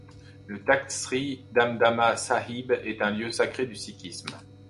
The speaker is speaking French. Le Takht Sri Damdama Sahib est un lieu sacré du sikhisme.